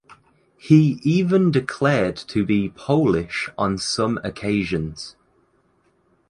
He even declared to be "Polish" on some occasions.